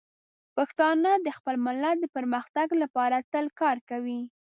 پښتانه د خپل ملت د پرمختګ لپاره تل کار کوي.